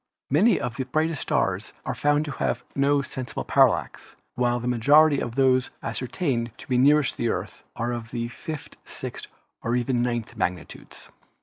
Many of the brightest stars are found to have no sensible parallax, while the majority of those ascertained to be nearest to the Earth are of fifth, sixth or even ninth magnitudes."